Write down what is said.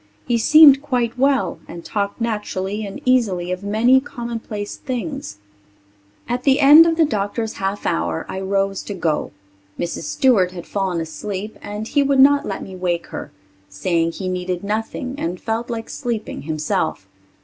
He seemed quite well and talked naturally and easily of many commonplace things. At the end of the doctor's half hour I rose to go. Mrs. Stewart had fallen asleep and he would not let me wake her, saying he needed nothing and felt like sleeping himself.